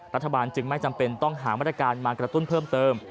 รัฐบาลจึงไม่จำเป็นต้องหามาตรการมากระตุ้นเพิ่มเติม